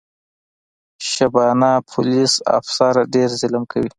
شبانه پولیس افیسره ډېر ظلم کوي.